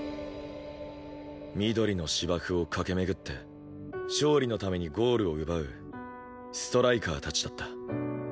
緑の芝生を駆け巡って勝利のためにゴールを奪うストライカーたちだった。